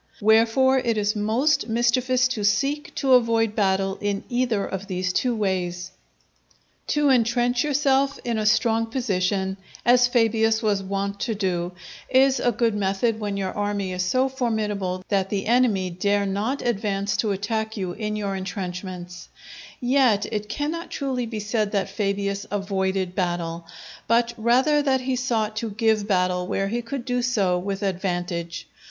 Wherefore it is most mischievous to seek to avoid battle in either of these two ways. To intrench yourself in a strong position, as Fabius was wont to do, is a good method when your army is so formidable that the enemy dare not advance to attack you in your intrenchments; yet it cannot truly be said that Fabius avoided battle, but rather that he sought to give battle where he could do so with advantage.